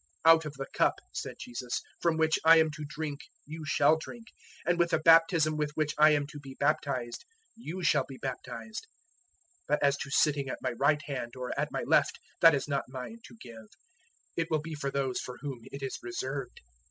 "Out of the cup," said Jesus, "from which I am to drink you shall drink, and with the baptism with which I am to be baptized you shall be baptized; 010:040 but as to sitting at my right hand or at my left, that is not mine to give: it will be for those for whom it is reserved."